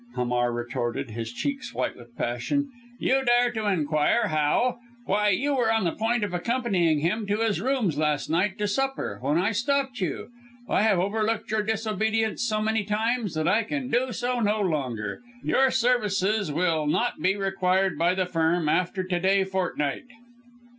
Hamar retorted, his cheeks white with passion. "You dare to inquire how! Why, you were on the point of accompanying him to his rooms last night to supper, when I stopped you! I have overlooked your disobedience so many times that I can do so no longer. Your services will not be required by the Firm after to day fortnight."